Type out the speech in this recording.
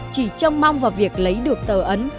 chỉ trông mong vào việc lấy được tờ ấn